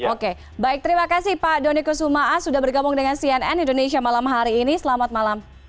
oke baik terima kasih pak doni kusuma as sudah bergabung dengan cnn indonesia malam hari ini selamat malam